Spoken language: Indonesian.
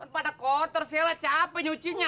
padah kotor sial lah capek nyucihnya